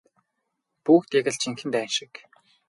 Бүгд яг л жинхэнэ дайн шиг.